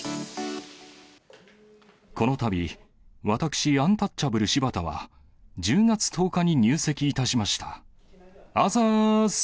このたび、私、アンタッチャブル・柴田は、１０月１０日に入籍いたしました。